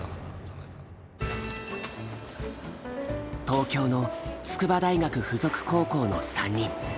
東京の筑波大学附属高校の３人。